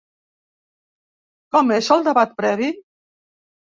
Com és el debat previ?